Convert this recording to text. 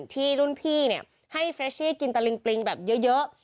ที่รุ่นพี่ให้เฟรชชี่กินตะลิงปริงแบบเยอะ